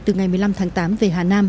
từ ngày một mươi năm tháng tám về hà nam